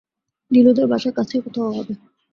নীলুদের বাসা কাছেই কোথাও হবে।